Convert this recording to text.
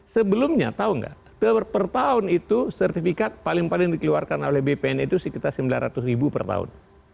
sebelumnya tahu nggak per tahun itu sertifikat paling paling dikeluarkan oleh bpn itu sekitar sembilan ratus ribu per tahun